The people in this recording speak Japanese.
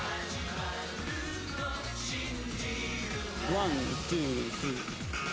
ワンツースリー。